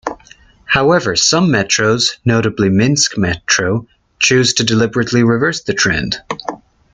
However some metros, notably Minsk Metro chose to deliberately reverse the trend.